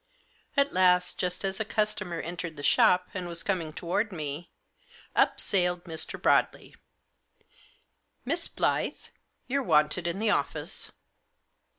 At last, just as a customer entered the shop, and was coming toward me, up sailed Mr. Broadley. " Miss Biyth, you're wanted in the office."